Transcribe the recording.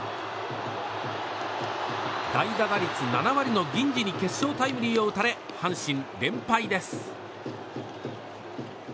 代打打率７割の銀次に決勝タイムリーを打たれ阪神連敗です。